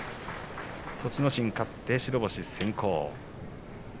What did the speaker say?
栃ノ心、勝って白星先行。